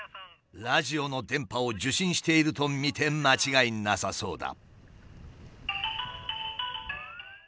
ラジオの電波を受信しているとみて間違いなさそうだ。